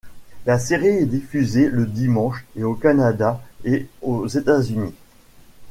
La série est diffusée le dimanche à au Canada, et aux États-Unis.